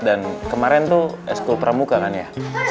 dan kemarin tuh s kool pramuka kan ya